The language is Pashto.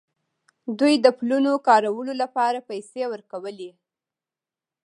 دوی د پلونو کارولو لپاره پیسې ورکولې.